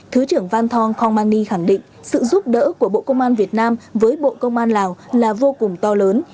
thứ trưởng van thong khong man ni khẳng định sự giúp đỡ của bộ công an việt nam với bộ công an lào là vô cùng to lớn